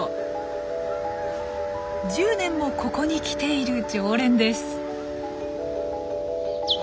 １０年もここに来ている常連です。